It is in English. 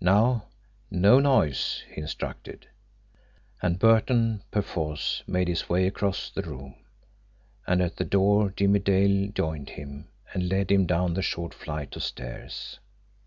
"Now, no noise!" he instructed. And Burton, perforce, made his way across the room and at the door Jimmie Dale joined him and led him down the short flight of stairs.